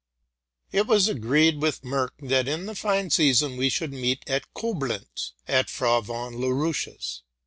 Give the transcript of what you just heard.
Ir had been agreed with Merck, that in the fine season we should meet at Coblentz at Frau von Laroche's.